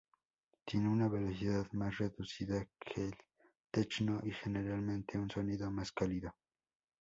Tiene una velocidad más reducida que el techno y generalmente un sonido más cálido.